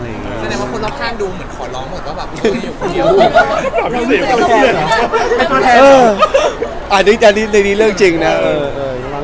แสดงว่าคนรอบคร่างดูเหมือนขอร้องหมดว่า